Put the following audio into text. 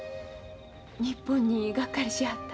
日本にがっかりしはった？